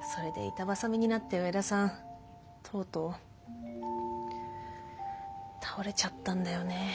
それで板挟みになって上田さんとうとう倒れちゃったんだよね。